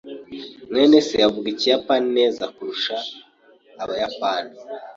mwene se avuga Ikiyapani neza kurusha Abayapani.